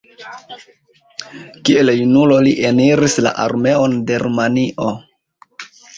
Kiel junulo li eniris la armeon de Rumanio.